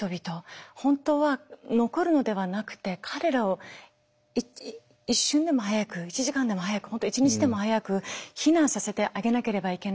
本当は残るのではなくて彼らを一瞬でも早く１時間でも早く本当１日でも早く避難させてあげなければいけないのに。